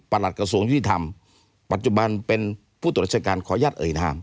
หลัดกระทรวงยุติธรรมปัจจุบันเป็นผู้ตรวจราชการขออนุญาตเอ่ยนาม